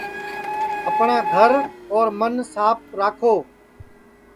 اپٹؔا گھر اور من ساپ راکھو